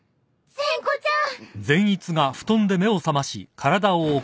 善子ちゃん。